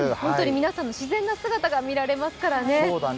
皆さんの自然な姿が見られますからね。